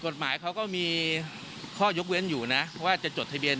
กฎหมายเขาก็มีข้อยกเว้นอยู่นะว่าจะจดทะเบียน